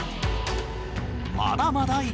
まだまだい